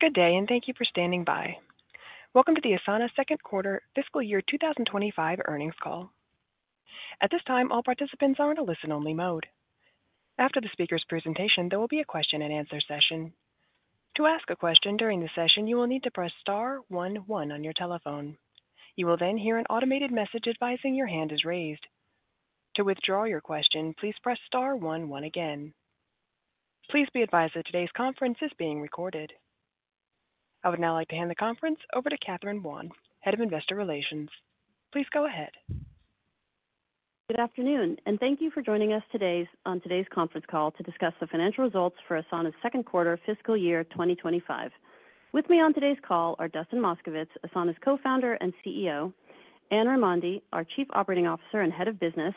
Good day, and thank you for standing by. Welcome to the Asana second quarter fiscal year two thousand and twenty-five earnings call. At this time, all participants are in a listen-only mode. After the speaker's presentation, there will be a question-and-answer session. To ask a question during the session, you will need to press star one one on your telephone. You will then hear an automated message advising your hand is raised. To withdraw your question, please press star one one again. Please be advised that today's conference is being recorded. I would now like to hand the conference over to Catherine Buan, Head of Investor Relations. Please go ahead. Good afternoon, and thank you for joining us today on today's conference call to discuss the financial results for Asana's second quarter fiscal year twenty twenty-five. With me on today's call are Dustin Moskovitz, Asana's Co-founder and CEO, Anne Raimondi, our Chief Operating Officer and Head of Business,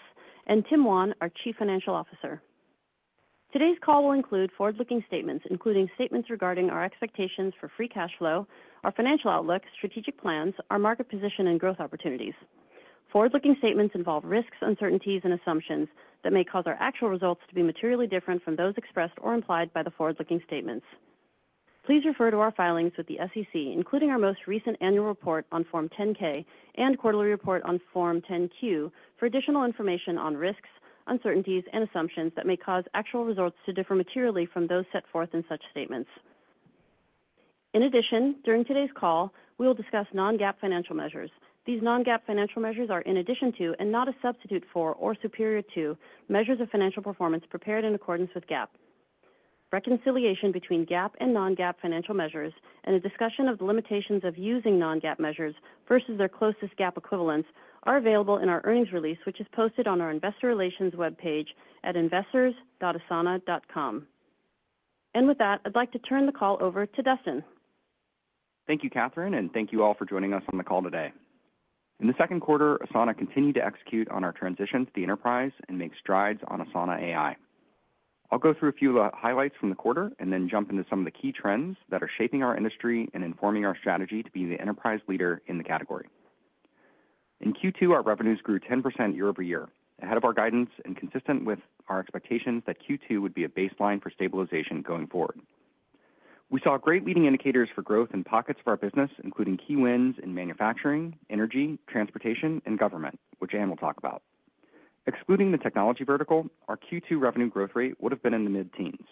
and Tim Wan, our Chief Financial Officer. Today's call will include forward-looking statements, including statements regarding our expectations for free cash flow, our financial outlook, strategic plans, our market position, and growth opportunities. Forward-looking statements involve risks, uncertainties, and assumptions that may cause our actual results to be materially different from those expressed or implied by the forward-looking statements. Please refer to our filings with the SEC, including our most recent annual report on Form 10-K and quarterly report on Form 10-Q, for additional information on risks, uncertainties, and assumptions that may cause actual results to differ materially from those set forth in such statements. In addition, during today's call, we will discuss non-GAAP financial measures. These non-GAAP financial measures are in addition to, and not a substitute for, or superior to, measures of financial performance prepared in accordance with GAAP. Reconciliation between GAAP and non-GAAP financial measures and a discussion of the limitations of using non-GAAP measures versus their closest GAAP equivalents are available in our earnings release, which is posted on our investor relations webpage at investors.asana.com. And with that, I'd like to turn the call over to Dustin. Thank you, Catherine, and thank you all for joining us on the call today. In the second quarter, Asana continued to execute on our transition to the enterprise and make strides on Asana AI. I'll go through a few highlights from the quarter and then jump into some of the key trends that are shaping our industry and informing our strategy to be the enterprise leader in the category. In Q2, our revenues grew 10% year over year, ahead of our guidance and consistent with our expectations that Q2 would be a baseline for stabilization going forward. We saw great leading indicators for growth in pockets of our business, including key wins in manufacturing, energy, transportation, and government, which Anne will talk about. Excluding the technology vertical, our Q2 revenue growth rate would have been in the mid-teens.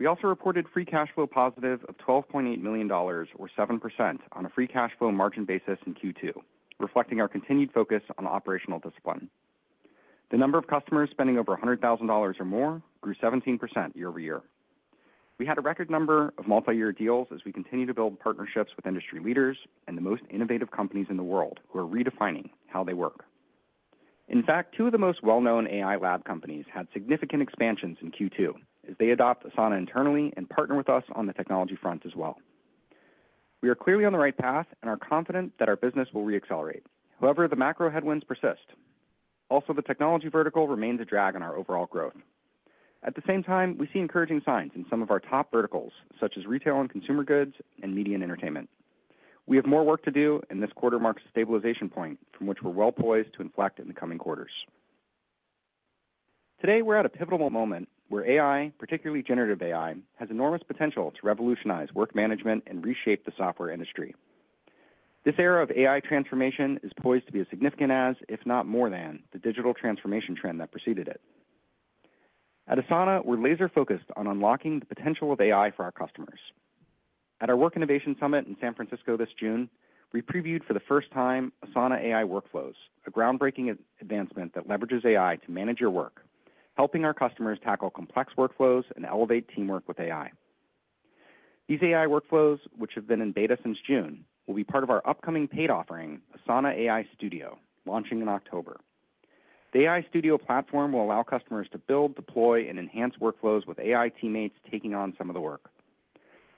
We also reported free cash flow positive of $12.8 million, or 7%, on a free cash flow margin basis in Q2, reflecting our continued focus on operational discipline. The number of customers spending over $100,000 or more grew 17% year over year. We had a record number of multiyear deals as we continue to build partnerships with industry leaders and the most innovative companies in the world, who are redefining how they work. In fact, two of the most well-known AI lab companies had significant expansions in Q2 as they adopt Asana internally and partner with us on the technology front as well. We are clearly on the right path and are confident that our business will re-accelerate. However, the macro headwinds persist. Also, the technology vertical remains a drag on our overall growth. At the same time, we see encouraging signs in some of our top verticals, such as retail and consumer goods and media and entertainment. We have more work to do, and this quarter marks a stabilization point from which we're well poised to inflect in the coming quarters. Today, we're at a pivotal moment where AI, particularly generative AI, has enormous potential to revolutionize work management and reshape the software industry. This era of AI transformation is poised to be as significant as, if not more than, the digital transformation trend that preceded it. At Asana, we're laser-focused on unlocking the potential of AI for our customers. At our Work Innovation Summit in San Francisco this June, we previewed for the first time Asana AI Workflows, a groundbreaking advancement that leverages AI to manage your work, helping our customers tackle complex workflows and elevate teamwork with AI. These AI workflows, which have been in beta since June, will be part of our upcoming paid offering, Asana AI Studio, launching in October. The AI Studio platform will allow customers to build, deploy, and enhance workflows with AI teammates taking on some of the work.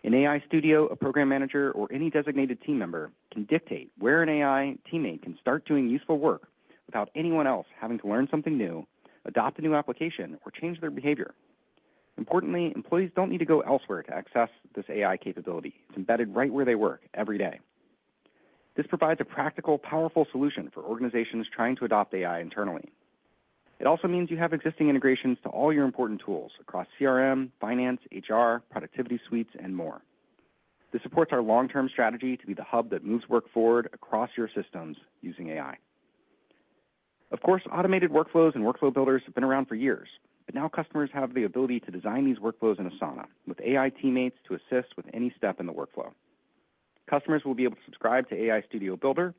In AI Studio, a program manager or any designated team member can dictate where an AI teammate can start doing useful work without anyone else having to learn something new, adopt a new application, or change their behavior. Importantly, employees don't need to go elsewhere to access this AI capability. It's embedded right where they work every day. This provides a practical, powerful solution for organizations trying to adopt AI internally. It also means you have existing integrations to all your important tools across CRM, finance, HR, productivity suites, and more. This supports our long-term strategy to be the hub that moves work forward across your systems using AI. Of course, automated workflows and workflow builders have been around for years, but now customers have the ability to design these workflows in Asana, with AI teammates to assist with any step in the workflow. Customers will be able to subscribe to AI Studio Builder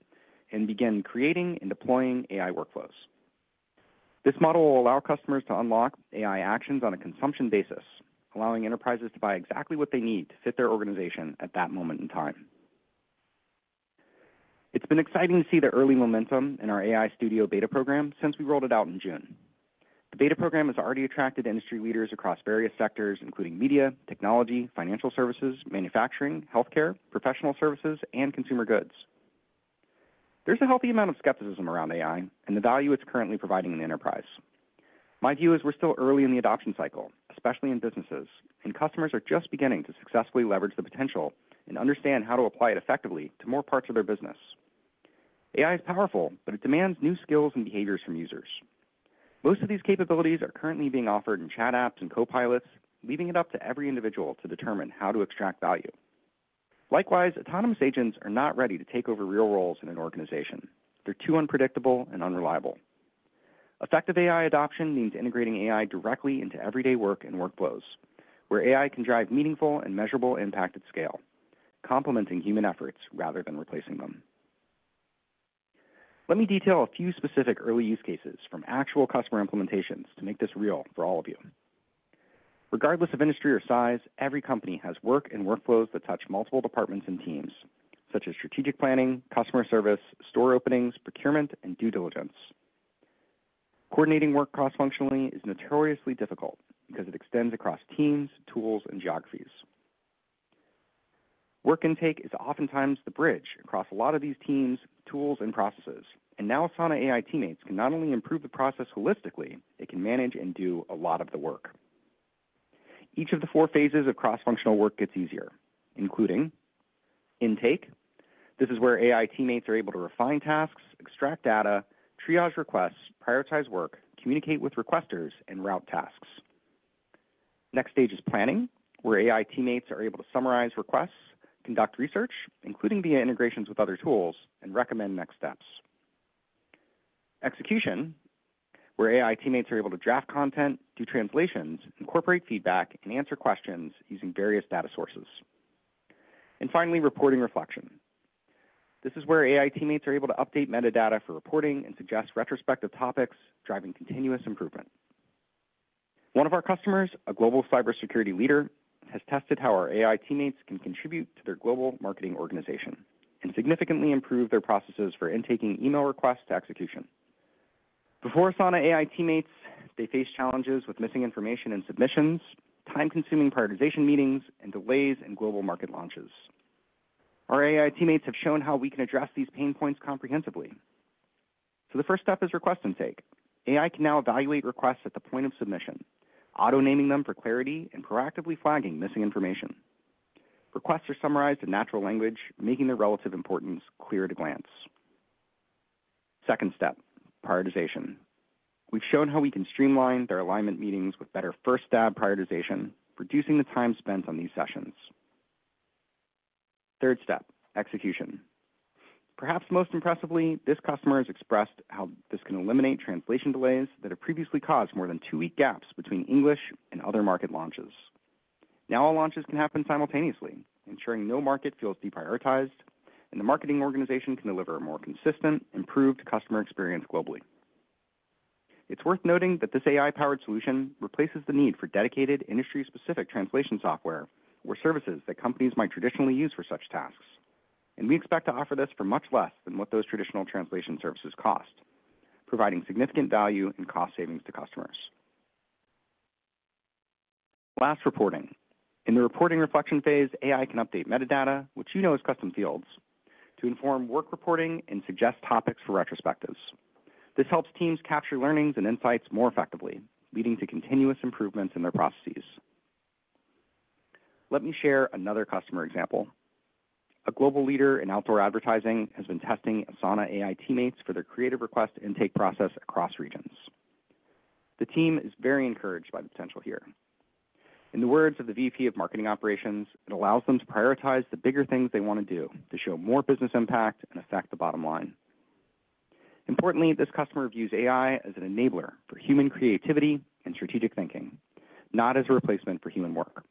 and begin creating and deploying AI workflows. This model will allow customers to unlock AI actions on a consumption basis, allowing enterprises to buy exactly what they need to fit their organization at that moment in time. It's been exciting to see the early momentum in our AI Studio beta program since we rolled it out in June. The beta program has already attracted industry leaders across various sectors, including media, technology, financial services, manufacturing, healthcare, professional services, and consumer goods. There's a healthy amount of skepticism around AI and the value it's currently providing in the enterprise. My view is we're still early in the adoption cycle, especially in businesses, and customers are just beginning to successfully leverage the potential and understand how to apply it effectively to more parts of their business. AI is powerful, but it demands new skills and behaviors from users. Most of these capabilities are currently being offered in chat apps and copilots, leaving it up to every individual to determine how to extract value. Likewise, autonomous agents are not ready to take over real roles in an organization. They're too unpredictable and unreliable. Effective AI adoption means integrating AI directly into everyday work and workflows, where AI can drive meaningful and measurable impact at scale, complementing human efforts rather than replacing them. Let me detail a few specific early use cases from actual customer implementations to make this real for all of you. Regardless of industry or size, every company has work and workflows that touch multiple departments and teams, such as strategic planning, customer service, store openings, procurement, and due diligence. Coordinating work cross-functionally is notoriously difficult because it extends across teams, tools, and geographies. Work intake is oftentimes the bridge across a lot of these teams, tools, and processes, and now Asana AI Teammates can not only improve the process holistically. It can manage and do a lot of the work. Each of the four phases of cross-functional work gets easier, including intake. This is where AI Teammates are able to refine tasks, extract data, triage requests, prioritize work, communicate with requesters, and route tasks. Next stage is planning, where AI teammates are able to summarize requests, conduct research, including via integrations with other tools, and recommend next steps. Execution, where AI teammates are able to draft content, do translations, incorporate feedback, and answer questions using various data sources. And finally, reporting reflection. This is where AI teammates are able to update metadata for reporting and suggest retrospective topics, driving continuous improvement. One of our customers, a global cybersecurity leader, has tested how our AI teammates can contribute to their global marketing organization and significantly improve their processes for intaking email requests to execution. Before Asana AI teammates, they faced challenges with missing information and submissions, time-consuming prioritization meetings, and delays in global market launches. Our AI teammates have shown how we can address these pain points comprehensively. So the first step is request intake. AI can now evaluate requests at the point of submission, auto-naming them for clarity and proactively flagging missing information. Requests are summarized in natural language, making their relative importance clear at a glance. Second step, prioritization. We've shown how we can streamline their alignment meetings with better first stab prioritization, reducing the time spent on these sessions. Third step, execution. Perhaps most impressively, this customer has expressed how this can eliminate translation delays that have previously caused more than two-week gaps between English and other market launches. Now, all launches can happen simultaneously, ensuring no market feels deprioritized, and the marketing organization can deliver a more consistent, improved customer experience globally. It's worth noting that this AI-powered solution replaces the need for dedicated, industry-specific translation software or services that companies might traditionally use for such tasks, and we expect to offer this for much less than what those traditional translation services cost, providing significant value and cost savings to customers. Last, reporting. In the reporting reflection phase, AI can update metadata, which you know as custom fields, to inform work reporting and suggest topics for retrospectives. This helps teams capture learnings and insights more effectively, leading to continuous improvements in their processes. Let me share another customer example. A global leader in outdoor advertising has been testing Asana AI Teammates for their creative request intake process across regions. The team is very encouraged by the potential here. In the words of the VP of marketing operations, "It allows them to prioritize the bigger things they want to do to show more business impact and affect the bottom line." Importantly, this customer views AI as an enabler for human creativity and strategic thinking, not as a replacement for human work.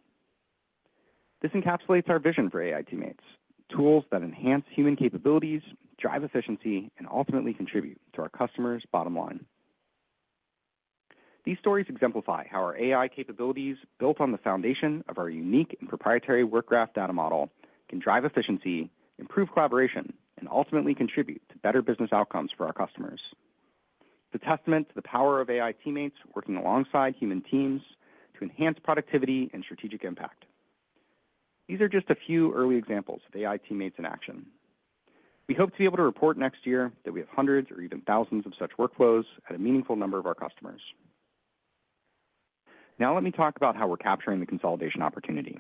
This encapsulates our vision for AI teammates, tools that enhance human capabilities, drive efficiency, and ultimately contribute to our customers' bottom line. These stories exemplify how our AI capabilities, built on the foundation of our unique and proprietary Work Graph data model, can drive efficiency, improve collaboration, and ultimately contribute to better business outcomes for our customers. It's a testament to the power of AI teammates working alongside human teams to enhance productivity and strategic impact. These are just a few early examples of AI teammates in action. We hope to be able to report next year that we have hundreds or even thousands of such workflows at a meaningful number of our customers. Now let me talk about how we're capturing the consolidation opportunity.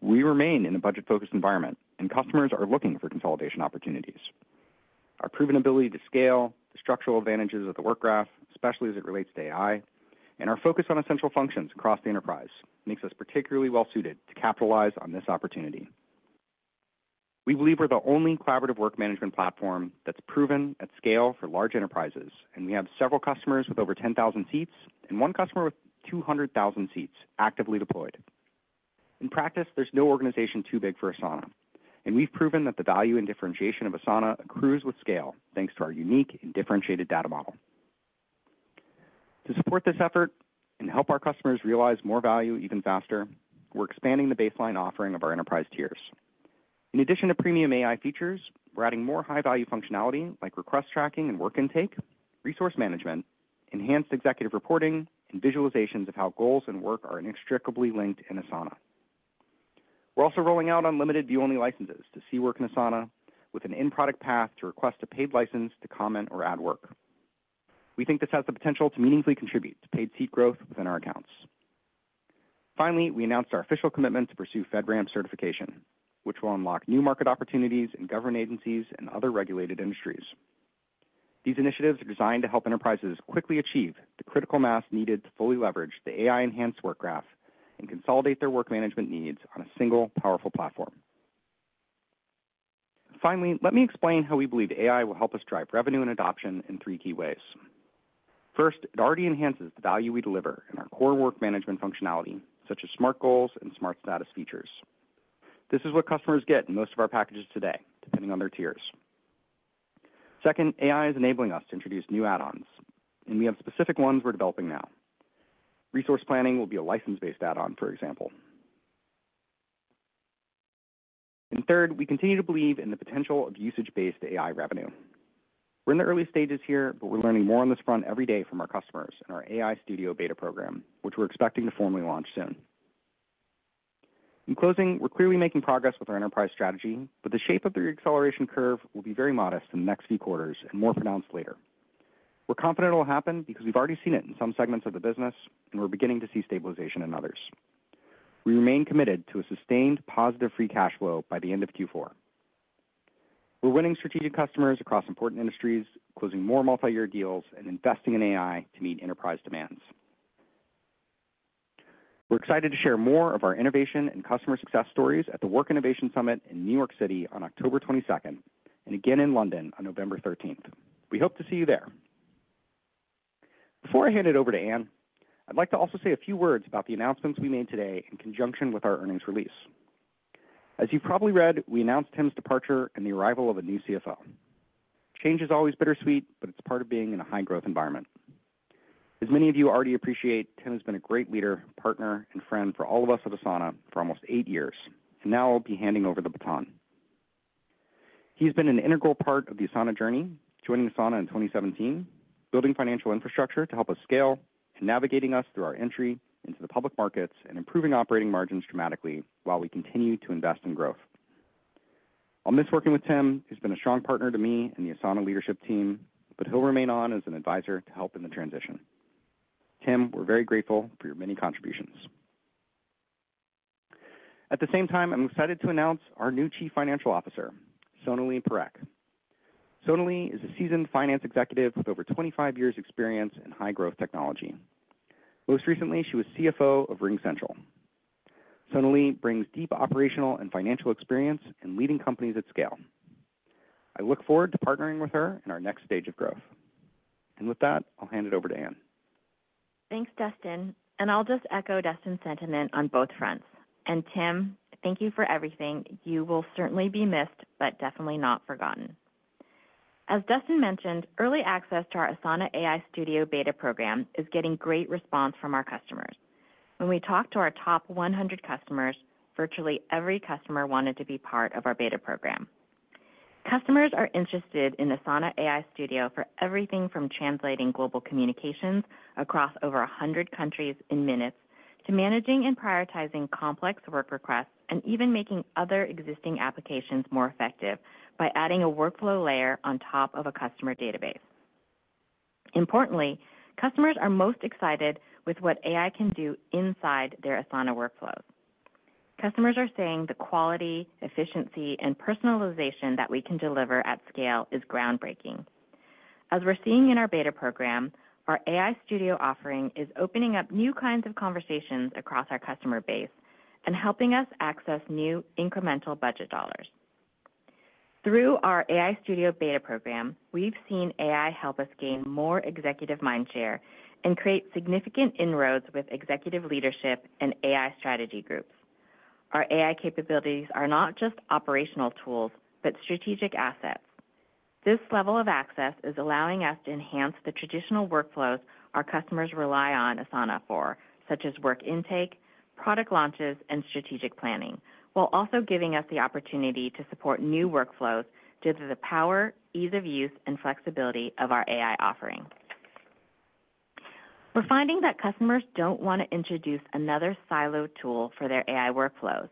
We remain in a budget-focused environment, and customers are looking for consolidation opportunities. Our proven ability to scale, the structural advantages of the Work Graph, especially as it relates to AI, and our focus on essential functions across the enterprise, makes us particularly well suited to capitalize on this opportunity. We believe we're the only collaborative work management platform that's proven at scale for large enterprises, and we have several customers with over 10,000 seats and one customer with 200,000 seats actively deployed. In practice, there's no organization too big for Asana, and we've proven that the value and differentiation of Asana accrues with scale, thanks to our unique and differentiated data model. To support this effort and help our customers realize more value even faster, we're expanding the baseline offering of our enterprise tiers. In addition to premium AI features, we're adding more high-value functionality like request tracking and work intake, resource management, enhanced executive reporting, and visualizations of how goals and work are inextricably linked in Asana. We're also rolling out unlimited view-only licenses to see work in Asana with an in-product path to request a paid license to comment or add work. We think this has the potential to meaningfully contribute to paid seat growth within our accounts.... Finally, we announced our official commitment to pursue FedRAMP certification, which will unlock new market opportunities in government agencies and other regulated industries. These initiatives are designed to help enterprises quickly achieve the critical mass needed to fully leverage the AI-enhanced Work Graph and consolidate their work management needs on a single, powerful platform. Finally, let me explain how we believe AI will help us drive revenue and adoption in three key ways. First, it already enhances the value we deliver in our core work management functionality, such as Smart Goals and Smart Status features. This is what customers get in most of our packages today, depending on their tiers. Second, AI is enabling us to introduce new add-ons, and we have specific ones we're developing now. Resource planning will be a license-based add-on, for example. And third, we continue to believe in the potential of usage-based AI revenue. We're in the early stages here, but we're learning more on this front every day from our customers and our AI Studio beta program, which we're expecting to formally launch soon. In closing, we're clearly making progress with our enterprise strategy, but the shape of the reacceleration curve will be very modest in the next few quarters and more pronounced later. We're confident it will happen because we've already seen it in some segments of the business, and we're beginning to see stabilization in others. We remain committed to a sustained positive free cash flow by the end of Q4. We're winning strategic customers across important industries, closing more multi-year deals, and investing in AI to meet enterprise demands. We're excited to share more of our innovation and customer success stories at the Work Innovation Summit in New York City on October twenty-second, and again in London on November thirteenth. We hope to see you there. Before I hand it over to Anne, I'd like to also say a few words about the announcements we made today in conjunction with our earnings release. As you probably read, we announced Tim's departure and the arrival of a new CFO. Change is always bittersweet, but it's part of being in a high-growth environment. As many of you already appreciate, Tim has been a great leader, partner, and friend for all of us at Asana for almost eight years, and now will be handing over the baton. He's been an integral part of the Asana journey, joining Asana in twenty seventeen, building financial infrastructure to help us scale, and navigating us through our entry into the public markets and improving operating margins dramatically while we continue to invest in growth. I'll miss working with Tim, who's been a strong partner to me and the Asana leadership team, but he'll remain on as an advisor to help in the transition. Tim, we're very grateful for your many contributions. At the same time, I'm excited to announce our new Chief Financial Officer, Sonali Parekh. Sonali is a seasoned finance executive with over twenty-five years experience in high-growth technology. Most recently, she was CFO of RingCentral. Sonali brings deep operational and financial experience in leading companies at scale. I look forward to partnering with her in our next stage of growth, and with that, I'll hand it over to Anne. Thanks, Dustin, and I'll just echo Dustin's sentiment on both fronts and Tim, thank you for everything. You will certainly be missed, but definitely not forgotten. As Dustin mentioned, early access to our Asana AI Studio beta program is getting great response from our customers. When we talked to our top 100 customers, virtually every customer wanted to be part of our beta program. Customers are interested in Asana AI Studio for everything from translating global communications across over 100 countries in minutes, to managing and prioritizing complex work requests, and even making other existing applications more effective by adding a workflow layer on top of a customer database. Importantly, customers are most excited with what AI can do inside their Asana workflows. Customers are saying the quality, efficiency, and personalization that we can deliver at scale is groundbreaking. As we're seeing in our beta program, our AI Studio offering is opening up new kinds of conversations across our customer base and helping us access new incremental budget dollars. Through our AI Studio beta program, we've seen AI help us gain more executive mind share and create significant inroads with executive leadership and AI strategy groups. Our AI capabilities are not just operational tools, but strategic assets. This level of access is allowing us to enhance the traditional workflows our customers rely on Asana for, such as work intake, product launches, and strategic planning, while also giving us the opportunity to support new workflows due to the power, ease of use, and flexibility of our AI offering. We're finding that customers don't want to introduce another siloed tool for their AI workflows.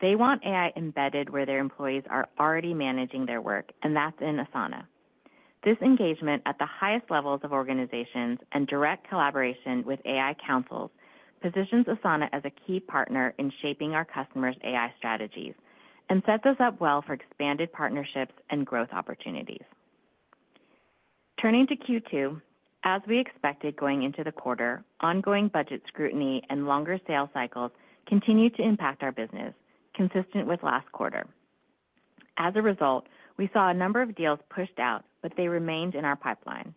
They want AI embedded where their employees are already managing their work, and that's in Asana. This engagement at the highest levels of organizations and direct collaboration with AI councils positions Asana as a key partner in shaping our customers' AI strategies and sets us up well for expanded partnerships and growth opportunities. Turning to Q2, as we expected, going into the quarter, ongoing budget scrutiny and longer sales cycles continued to impact our business, consistent with last quarter. As a result, we saw a number of deals pushed out, but they remained in our pipeline.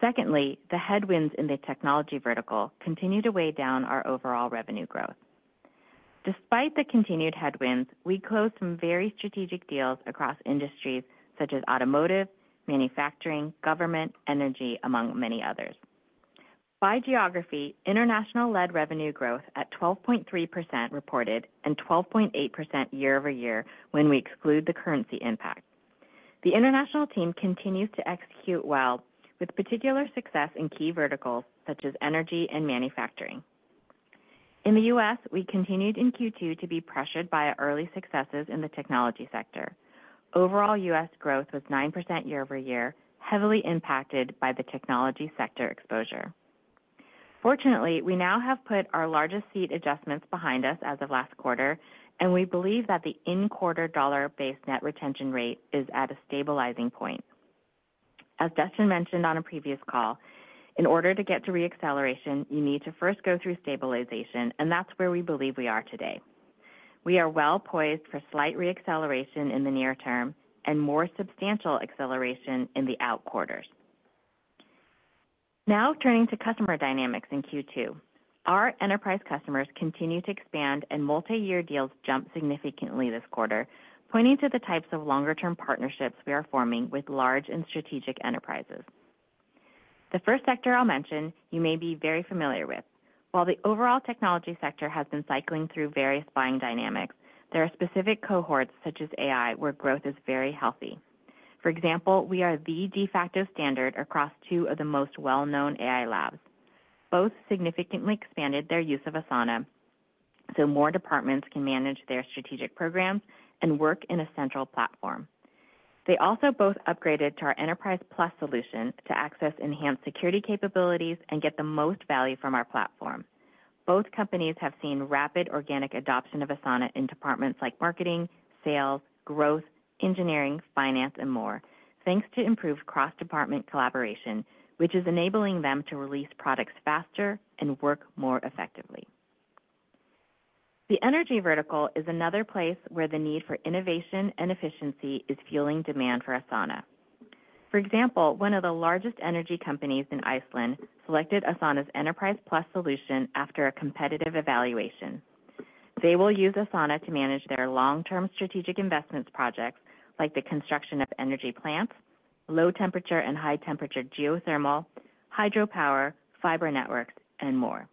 Secondly, the headwinds in the technology vertical continued to weigh down our overall revenue growth. Despite the continued headwinds, we closed some very strategic deals across industries such as automotive, manufacturing, government, energy, among many others. By geography, international-led revenue growth at 12.3% reported and 12.8% year over year when we exclude the currency impact. The international team continues to execute well, with particular success in key verticals such as energy and manufacturing. In the U.S., we continued in Q2 to be pressured by our early successes in the technology sector. Overall, U.S. growth was 9% year-over-year, heavily impacted by the technology sector exposure. Fortunately, we now have put our largest seat adjustments behind us as of last quarter, and we believe that the in-quarter dollar-based net retention rate is at a stabilizing point. As Dustin mentioned on a previous call, in order to get to re-acceleration, you need to first go through stabilization, and that's where we believe we are today. We are well-poised for slight re-acceleration in the near term and more substantial acceleration in the out quarters. Now turning to customer dynamics in Q2. Our enterprise customers continue to expand, and multi-year deals jumped significantly this quarter, pointing to the types of longer-term partnerships we are forming with large and strategic enterprises. The first sector I'll mention, you may be very familiar with. While the overall technology sector has been cycling through various buying dynamics, there are specific cohorts, such as AI, where growth is very healthy. For example, we are the de facto standard across two of the most well-known AI labs. Both significantly expanded their use of Asana so more departments can manage their strategic programs and work in a central platform. They also both upgraded to our Enterprise Plus solution to access enhanced security capabilities and get the most value from our platform. Both companies have seen rapid organic adoption of Asana in departments like marketing, sales, growth, engineering, finance, and more, thanks to improved cross-department collaboration, which is enabling them to release products faster and work more effectively. The energy vertical is another place where the need for innovation and efficiency is fueling demand for Asana. For example, one of the largest energy companies in Iceland selected Asana Enterprise Plus solution after a competitive evaluation. They will use Asana to manage their long-term strategic investments projects, like the construction of energy plants, low-temperature and high-temperature geothermal, hydropower, fiber networks, and more.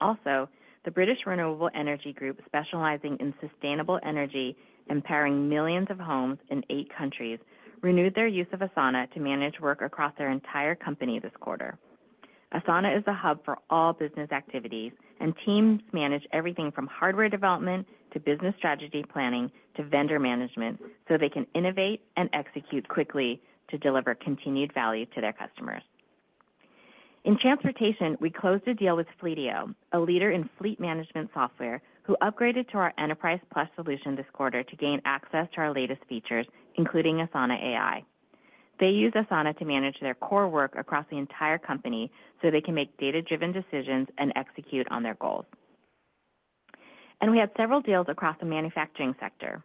Also, the British renewable energy group, specializing in sustainable energy and powering millions of homes in eight countries, renewed their use of Asana to manage work across their entire company this quarter. Asana is the hub for all business activities, and teams manage everything from hardware development to business strategy planning to vendor management, so they can innovate and execute quickly to deliver continued value to their customers. In transportation, we closed a deal with Fleetio, a leader in fleet management software, who upgraded to our Enterprise Plus solution this quarter to gain access to our latest features, including Asana AI. They use Asana to manage their core work across the entire company, so they can make data-driven decisions and execute on their goals, and we had several deals across the manufacturing sector.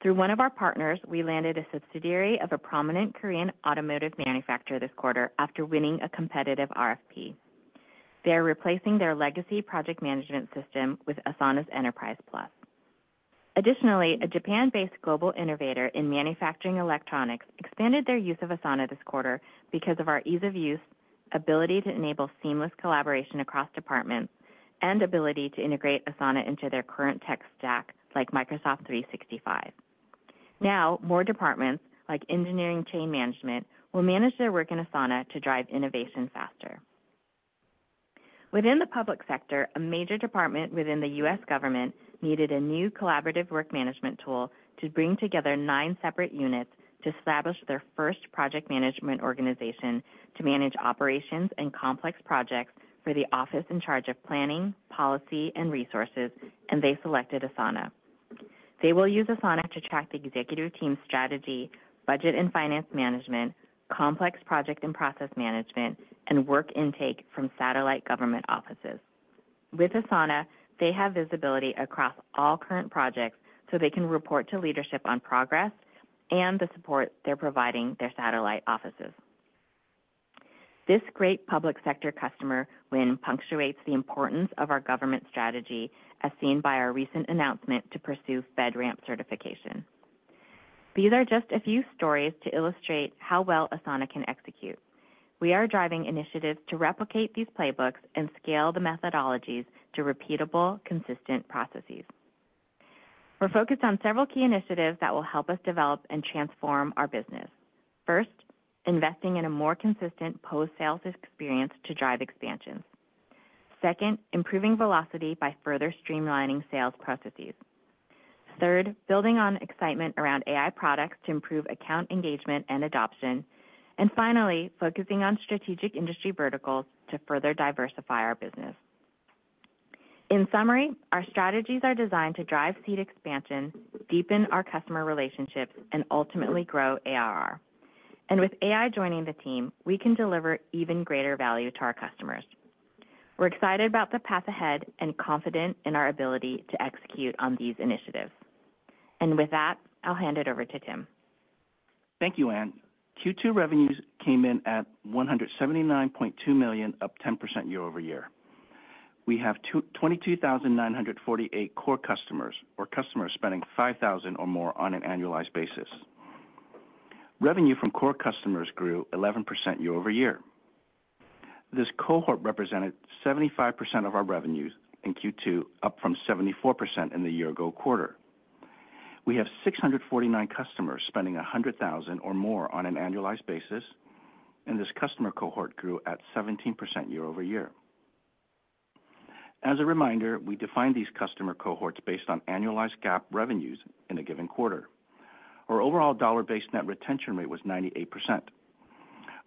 Through one of our partners, we landed a subsidiary of a prominent Korean automotive manufacturer this quarter after winning a competitive RFP. They are replacing their legacy project management system with Asana's Enterprise Plus. Additionally, a Japan-based global innovator in manufacturing electronics expanded their use of Asana this quarter because of our ease of use, ability to enable seamless collaboration across departments, and ability to integrate Asana into their current tech stack, like Microsoft 365. Now, more departments, like engineering, supply chain management, will manage their work in Asana to drive innovation faster. Within the public sector, a major department within the U.S. government needed a new collaborative work management tool to bring together nine separate units to establish their first project management organization to manage operations and complex projects for the office in charge of planning, policy, and resources, and they selected Asana. They will use Asana to track the executive team's strategy, budget and finance management, complex project and process management, and work intake from satellite government offices. With Asana, they have visibility across all current projects, so they can report to leadership on progress and the support they're providing their satellite offices. This great public sector customer win punctuates the importance of our government strategy, as seen by our recent announcement to pursue FedRAMP certification. These are just a few stories to illustrate how well Asana can execute. We are driving initiatives to replicate these playbooks and scale the methodologies to repeatable, consistent processes. We're focused on several key initiatives that will help us develop and transform our business. First, investing in a more consistent post-sales experience to drive expansion. Second, improving velocity by further streamlining sales processes. Third, building on excitement around AI products to improve account engagement and adoption. And finally, focusing on strategic industry verticals to further diversify our business. In summary, our strategies are designed to drive seat expansion, deepen our customer relationships, and ultimately grow ARR. And with AI joining the team, we can deliver even greater value to our customers. We're excited about the path ahead and confident in our ability to execute on these initiatives. And with that, I'll hand it over to Tim. Thank you, Anne. Q2 revenues came in at $179.2 million, up 10% year over year. We have 22,948 core customers or customers spending $5,000 or more on an annualized basis. Revenue from core customers grew 11% year over year. This cohort represented 75% of our revenues in Q2, up from 74% in the year-ago quarter. We have 649 customers spending $100,000 or more on an annualized basis, and this customer cohort grew at 17% year over year. As a reminder, we define these customer cohorts based on annualized GAAP revenues in a given quarter. Our overall dollar-based net retention rate was 98%.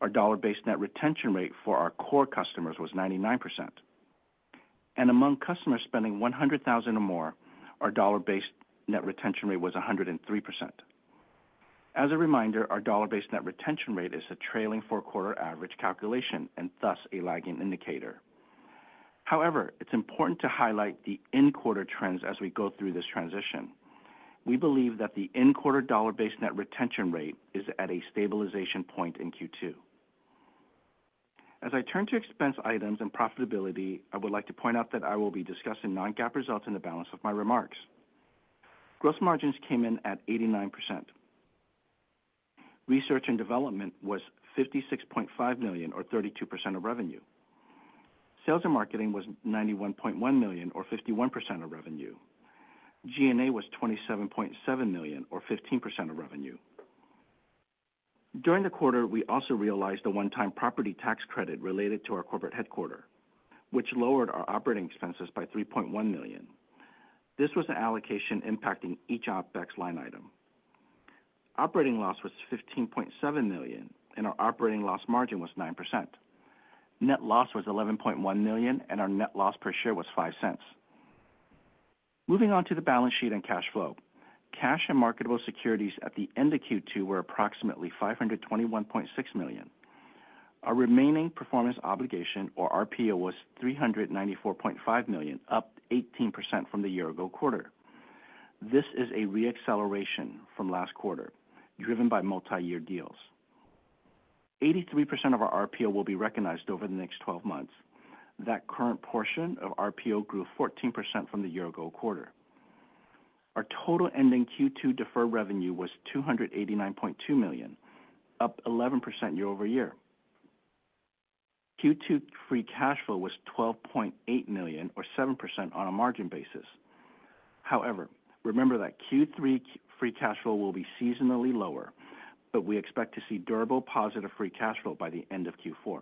Our dollar-based net retention rate for our core customers was 99%. Among customers spending $100,000 or more, our dollar-based net retention rate was 103%. As a reminder, our dollar-based net retention rate is a trailing four-quarter average calculation and thus a lagging indicator. However, it's important to highlight the in-quarter trends as we go through this transition. We believe that the in-quarter dollar-based net retention rate is at a stabilization point in Q2. As I turn to expense items and profitability, I would like to point out that I will be discussing non-GAAP results in the balance of my remarks. Gross margins came in at 89%. Research and development was $56.5 million, or 32% of revenue. Sales and marketing was $91.1 million, or 51% of revenue. G&A was $27.7 million, or 15% of revenue. During the quarter, we also realized a one-time property tax credit related to our corporate headquarters, which lowered our operating expenses by $3.1 million. This was an allocation impacting each OpEx line item. Operating loss was $15.7 million, and our operating loss margin was 9%. Net loss was $11.1 million, and our net loss per share was $0.05. Moving on to the balance sheet and cash flow. Cash and marketable securities at the end of Q2 were approximately $521.6 million. Our remaining performance obligation, or RPO, was $394.5 million, up 18% from the year-ago quarter. This is a re-acceleration from last quarter, driven by multiyear deals. 83% of our RPO will be recognized over the next twelve months. That current portion of RPO grew 14% from the year-ago quarter. Our total ending Q2 deferred revenue was $289.2 million, up 11% year over year. Q2 free cash flow was $12.8 million, or 7% on a margin basis. However, remember that Q3 free cash flow will be seasonally lower, but we expect to see durable, positive free cash flow by the end of Q4.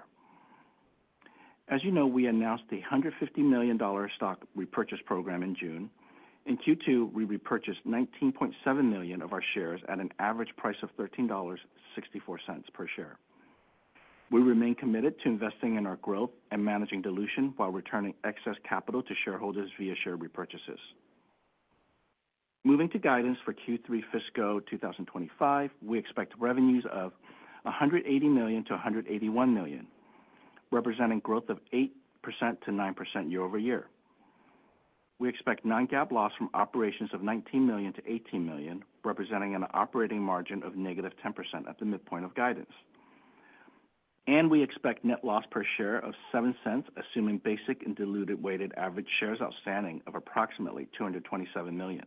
As you know, we announced a $150 million stock repurchase program in June. In Q2, we repurchased $19.7 million of our shares at an average price of $13.64 per share. We remain committed to investing in our growth and managing dilution while returning excess capital to shareholders via share repurchases. Moving to guidance for Q3 fiscal 2025, we expect revenues of $180 million-$181 million, representing growth of 8%-9% year over year. We expect non-GAAP loss from operations of $19 million-$18 million, representing an operating margin of negative 10% at the midpoint of guidance, and we expect net loss per share of $0.07, assuming basic and diluted weighted average shares outstanding of approximately 227 million.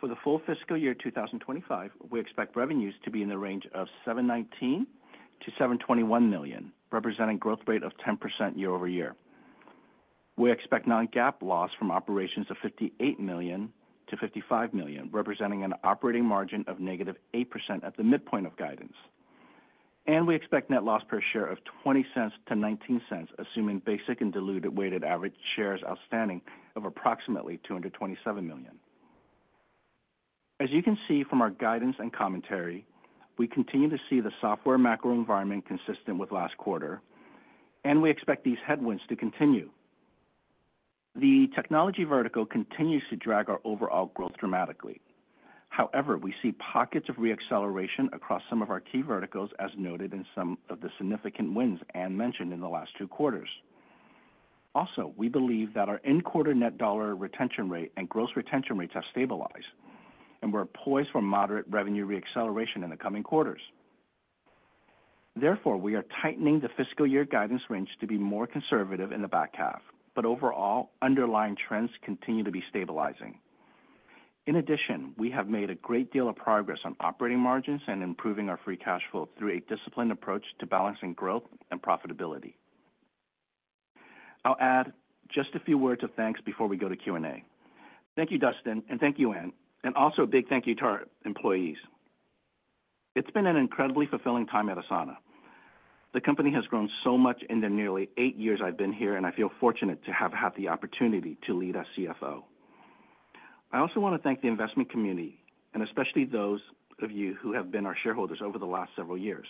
For the full fiscal year 2025, we expect revenues to be in the range of $719 million-$721 million, representing growth rate of 10% year over year. We expect non-GAAP loss from operations of $58 million-$55 million, representing an operating margin of negative 8% at the midpoint of guidance. We expect net loss per share of $0.20-$0.19, assuming basic and diluted weighted average shares outstanding of approximately 227 million. As you can see from our guidance and commentary, we continue to see the software macro environment consistent with last quarter, and we expect these headwinds to continue. The technology vertical continues to drag our overall growth dramatically. However, we see pockets of re-acceleration across some of our key verticals, as noted in some of the significant wins Anne mentioned in the last two quarters. Also, we believe that our in-quarter net dollar retention rate and gross retention rates have stabilized, and we're poised for moderate revenue re-acceleration in the coming quarters. Therefore, we are tightening the fiscal year guidance range to be more conservative in the back half, but overall, underlying trends continue to be stabilizing. In addition, we have made a great deal of progress on operating margins and improving our free cash flow through a disciplined approach to balancing growth and profitability. I'll add just a few words of thanks before we go to Q&A. Thank you, Dustin, and thank you, Anne, and also a big thank you to our employees. It's been an incredibly fulfilling time at Asana. The company has grown so much in the nearly eight years I've been here, and I feel fortunate to have had the opportunity to lead as CFO. I also want to thank the investment community, and especially those of you who have been our shareholders over the last several years.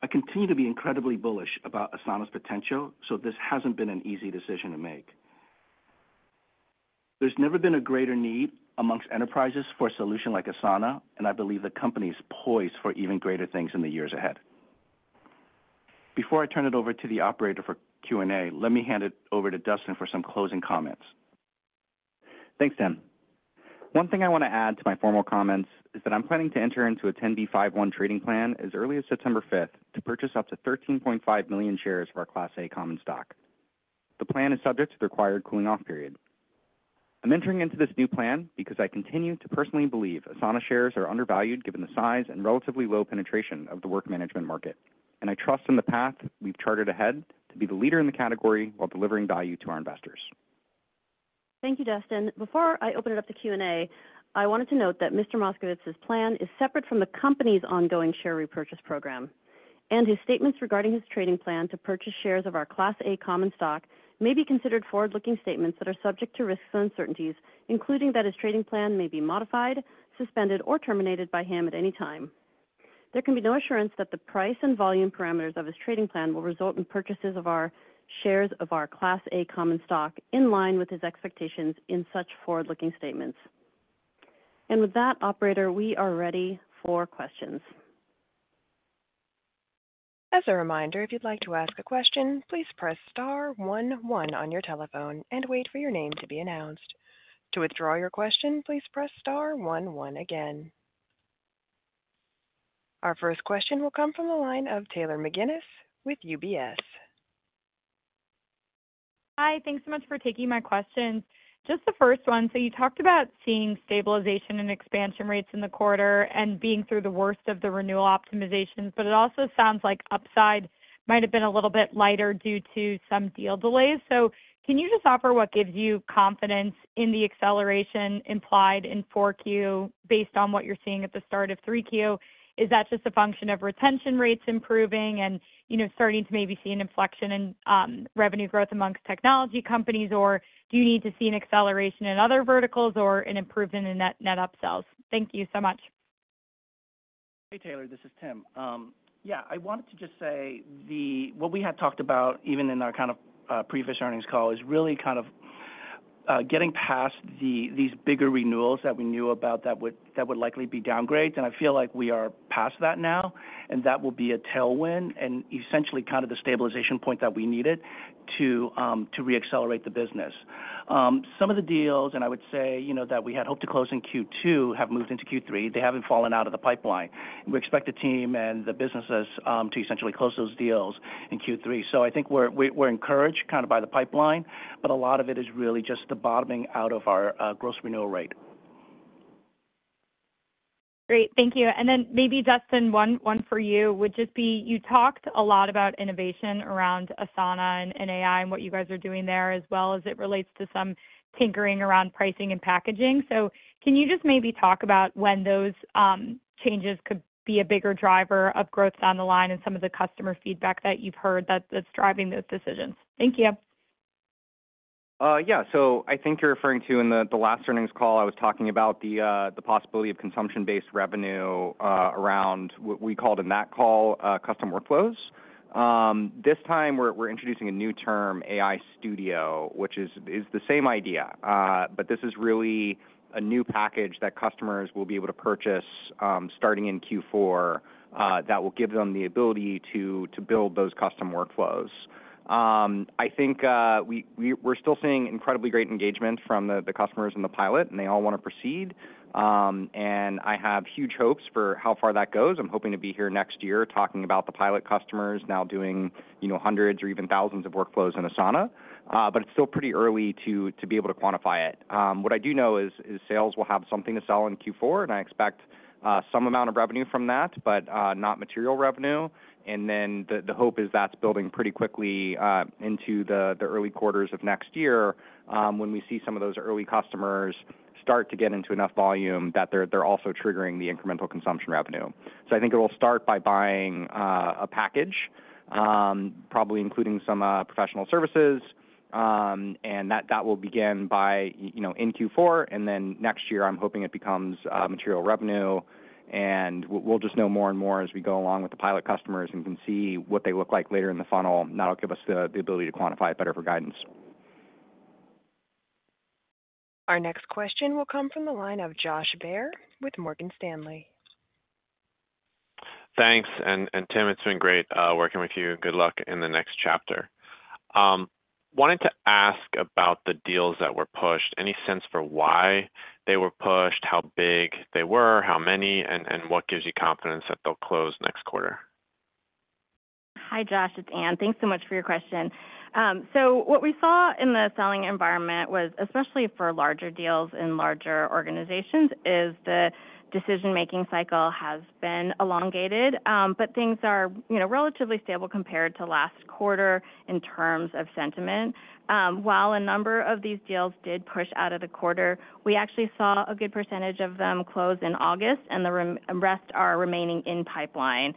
I continue to be incredibly bullish about Asana's potential, so this hasn't been an easy decision to make. There's never been a greater need amongst enterprises for a solution like Asana, and I believe the company is poised for even greater things in the years ahead. Before I turn it over to the operator for Q&A, let me hand it over to Dustin for some closing comments. Thanks, Tim. One thing I want to add to my formal comments is that I'm planning to enter into a 10b5-1 trading plan as early as September fifth to purchase up to 13.5 million shares of our Class A common stock. The plan is subject to the required cooling-off period. I'm entering into this new plan because I continue to personally believe Asana shares are undervalued, given the size and relatively low penetration of the work management market, and I trust in the path we've charted ahead to be the leader in the category while delivering value to our investors.... Thank you, Dustin. Before I open it up to Q&A, I wanted to note that Mr. Moskovitz's plan is separate from the company's ongoing share repurchase program, and his statements regarding his trading plan to purchase shares of our Class A common stock may be considered forward-looking statements that are subject to risks and uncertainties, including that his trading plan may be modified, suspended, or terminated by him at any time. There can be no assurance that the price and volume parameters of his trading plan will result in purchases of our shares of Class A common stock in line with his expectations in such forward-looking statements. And with that, operator, we are ready for questions. As a reminder, if you'd like to ask a question, please press star one one on your telephone and wait for your name to be announced. To withdraw your question, please press star one one again. Our first question will come from the line of Taylor McGinnis with UBS. Hi, thanks so much for taking my questions. Just the first one, so you talked about seeing stabilization and expansion rates in the quarter and being through the worst of the renewal optimizations, but it also sounds like upside might have been a little bit lighter due to some deal delays. So can you just offer what gives you confidence in the acceleration implied in Q4, based on what you're seeing at the start of Q3? Is that just a function of retention rates improving and, you know, starting to maybe see an inflection in revenue growth amongst technology companies? Or do you need to see an acceleration in other verticals or an improvement in net, net upsells? Thank you so much. Hey, Taylor, this is Tim. Yeah, I wanted to just say what we had talked about, even in our kind of previous earnings call, is really kind of getting past these bigger renewals that we knew about that would likely be downgrades, and I feel like we are past that now, and that will be a tailwind and essentially kind of the stabilization point that we needed to reaccelerate the business. Some of the deals, and I would say, you know, that we had hoped to close in Q2, have moved into Q3. They haven't fallen out of the pipeline. We expect the team and the businesses to essentially close those deals in Q3. So I think we're encouraged kind of by the pipeline, but a lot of it is really just the bottoming out of our gross renewal rate. Great. Thank you. And then maybe, Dustin, one for you, would just be: You talked a lot about innovation around Asana and AI and what you guys are doing there, as well as it relates to some tinkering around pricing and packaging. So can you just maybe talk about when those changes could be a bigger driver of growth down the line and some of the customer feedback that you've heard that's driving those decisions? Thank you. Yeah. So I think you're referring to in the last earnings call, I was talking about the possibility of consumption-based revenue around what we called in that call custom workflows. This time we're introducing a new term, AI Studio, which is the same idea. But this is really a new package that customers will be able to purchase starting in Q4 that will give them the ability to build those custom workflows. I think we’re still seeing incredibly great engagement from the customers in the pilot, and they all want to proceed. And I have huge hopes for how far that goes. I'm hoping to be here next year talking about the pilot customers now doing, you know, hundreds or even thousands of workflows in Asana. But it's still pretty early to be able to quantify it. What I do know is sales will have something to sell in Q4, and I expect some amount of revenue from that, but not material revenue. And then the hope is that's building pretty quickly into the early quarters of next year, when we see some of those early customers start to get into enough volume that they're also triggering the incremental consumption revenue. So I think it will start by buying a package, probably including some professional services, and that will begin by you know in Q4, and then next year, I'm hoping it becomes material revenue. We'll just know more and more as we go along with the pilot customers and can see what they look like later in the funnel. That'll give us the ability to quantify it better for guidance. Our next question will come from the line of Josh Baer with Morgan Stanley. Thanks. And Tim, it's been great working with you. Good luck in the next chapter. Wanted to ask about the deals that were pushed. Any sense for why they were pushed, how big they were, how many, and what gives you confidence that they'll close next quarter? Hi, Josh, it's Anne. Thanks so much for your question. So what we saw in the selling environment was, especially for larger deals in larger organizations, is the decision-making cycle has been elongated, but things are, you know, relatively stable compared to last quarter in terms of sentiment. While a number of these deals did push out of the quarter, we actually saw a good percentage of them close in August, and the rest are remaining in pipeline.